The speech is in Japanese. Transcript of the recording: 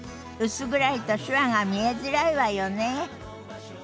薄暗いと手話が見えづらいわよね。